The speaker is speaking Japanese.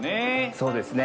そうですね。